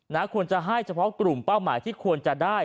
ควรจะให้เฉพาะกลุ่มเป้าหมายที่ควรจะได้